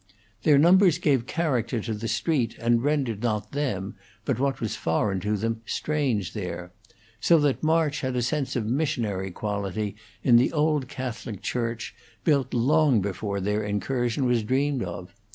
Their numbers gave character to the street, and rendered not them, but what was foreign to them, strange there; so that March had a sense of missionary quality in the old Catholic church, built long before their incursion was dreamed of.